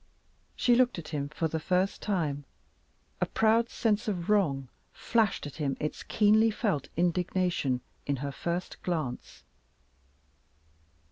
She looked at him for the first time. A proud sense of wrong flashed at him its keenly felt indignation in her first glance.